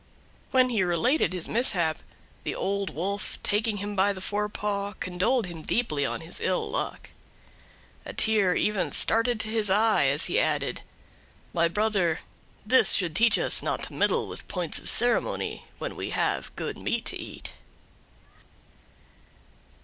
When he related his mishap, the Old Wolf, taking him by the forepaw, condoled with him deeply on his ill luck. A tear even started to his eye as he added: "My brother, this should teach us not to meddle with points of ceremony when we have good meat to eat."